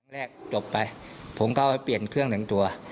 แรกจบไปผมก็ให้เปลี่ยนเครื่องหนึ่งตัว